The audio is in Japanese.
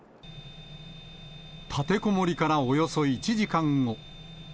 立てこもりからおよそ１時間後。